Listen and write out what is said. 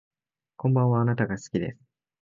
こんばんはあなたが好きです